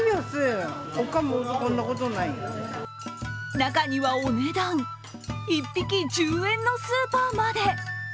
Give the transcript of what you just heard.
中には、お値段１匹１０円のスーパーまで。